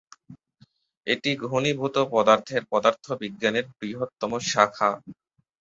এটি ঘনীভূত পদার্থের পদার্থবিজ্ঞানের বৃহত্তম শাখা।